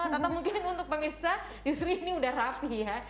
atau mungkin untuk pemirsa justru ini udah rapi ya